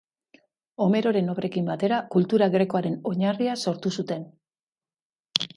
Homeroren obrekin batera kultura grekoaren oinarria sortu zuten.